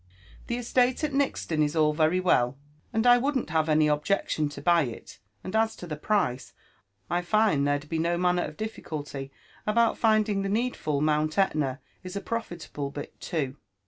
Tbe estate at Nixlon is all very well, and i woaldoH have any objection to buy it ; and as to the price, 1 find tbere'd be no manner of difijcully about finding ihe needful. Mount Etna is a profitable bit too.